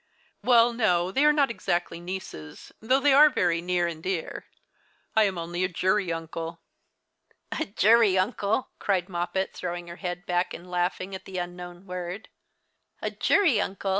"Well, no, they are not exactly nieces, though they are very near and dear. I am only a jury uncle." " A jury uncle !" cried Moppet, throwing her head back and laughing at the unknown word. " A jury uncle